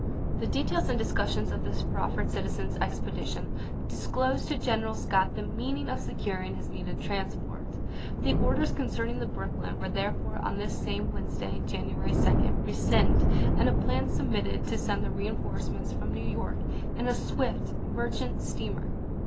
The details and discussions of this proffered citizens' expedition disclosed to General Scott the means of securing his needed transport. The orders concerning the Brooklyn were therefore on this same Wednesday, January 2, rescinded, and a lsei. plan substituted to send the reinforcements from New York in a swift merchant steamer.